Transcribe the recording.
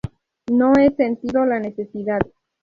No he sentido la necesidad.